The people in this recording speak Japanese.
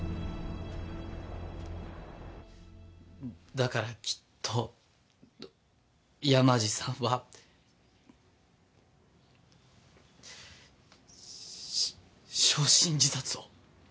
だからきっと山路さんは。焼身自殺を。